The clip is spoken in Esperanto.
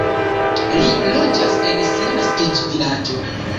Li loĝas en sia naskiĝvilaĝo.